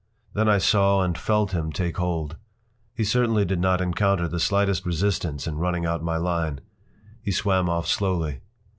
Then I saw and felt him take hold. He certainly did not encounter the slightest resistance in running out my line. He swam off slowly.